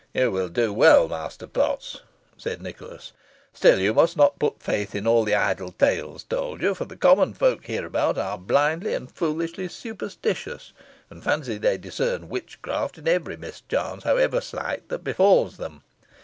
"You will do well, Master Potts," said Nicholas; "still you must not put faith in all the idle tales told you, for the common folk hereabouts are blindly and foolishly superstitious, and fancy they discern witchcraft in every mischance, however slight, that befalls them.